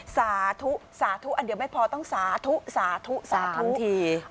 สาธุสาธุอันเดียวไม่พอต้องสาธุสาธุสาธุที